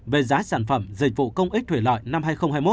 về giá sản phẩm dịch vụ công ích thủy lợi năm hai nghìn hai mươi một